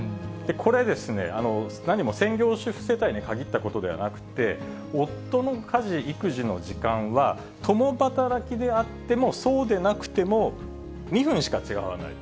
これですね、何も専業主婦世帯に限ったことではなくて、夫の家事・育児の時間は、共働きであってもそうでなくても、２分しか違わない。